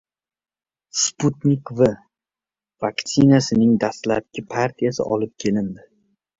“Sputnik V” vaktsinasining dastlabki partiyasi olib kelindi